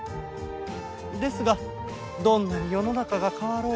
ですがどんなに世の中が変わろうとも